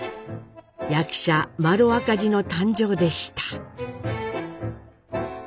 役者麿赤兒の誕生でした。